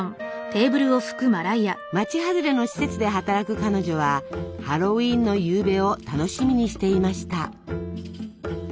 町外れの施設で働く彼女はハロウィーンのゆうべを楽しみにしていました。